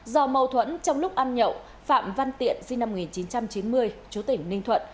do mâu thuẫn trong lúc ăn nhậu phạm văn tiện sinh năm một nghìn chín trăm chín mươi chú tỉnh ninh thuận